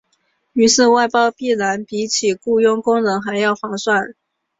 于是外包必然比起雇用工人还要划算。